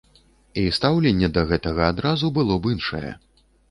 І стаўленне да гэтага адразу было б іншае.